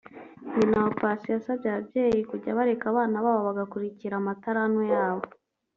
nyina wa Paccy yasabye ababyeyi kujya bareka abana babo bagakurikira amatarantu yabo